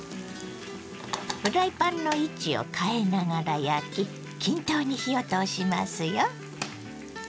フライパンの位置を変えながら焼き均等に火を通しますよ。